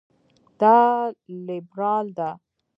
دا لېبرال ده.